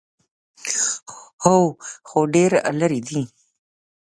_هو، خو ډېر ليرې دی.